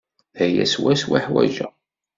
D aya swaswa i ḥwajeɣ.